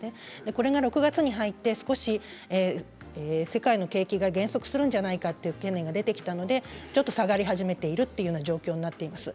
これが６月に入って少し世界の景気が減速するんじゃないかという懸念が出てきたのでちょっと下がり始めているという状況になっています。